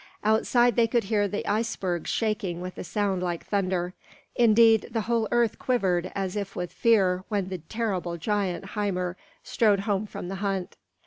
Outside they could hear the icebergs shaking with a sound like thunder; indeed, the whole earth quivered as if with fear when the terrible giant Hymir strode home from the hunt.